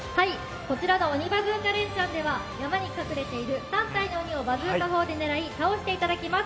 こちらの鬼バズーカレンチャンでは山に隠れている３体の鬼をバズーカ砲で狙い倒していただきます。